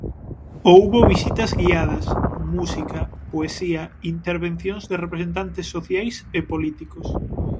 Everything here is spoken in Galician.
Houbo visitas guiadas, música, poesía, intervencións de representantes sociais e políticos.